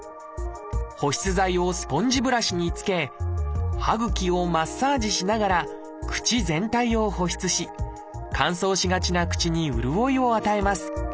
保湿剤をスポンジブラシにつけ歯ぐきをマッサージしながら口全体を保湿し乾燥しがちな口に潤いを与えます。